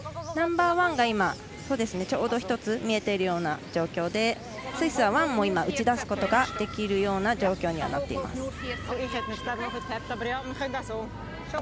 ナンバーワンが、ちょうど１つ見えているような状況でスイスはワンも打ち出すこともできる状況にはなっています。